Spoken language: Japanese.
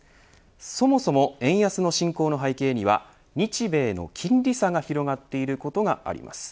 そもそも円安の進行の背景には日米の金利差が広がっていることがあります。